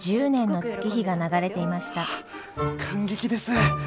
感激です！